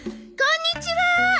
こんにちは！